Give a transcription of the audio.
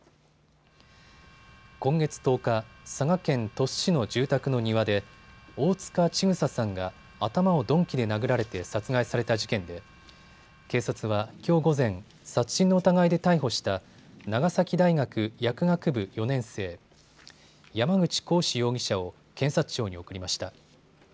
今月１０日、佐賀県鳥栖市の住宅の庭で大塚千種さんが頭を鈍器で殴られて殺害された事件で警察はきょう午前、殺人の疑いで逮捕した長崎大学薬学部４年生、山口鴻志容疑者を検察庁に送りました。